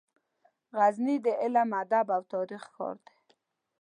غزني د علم، ادب او تاریخ ښار دی.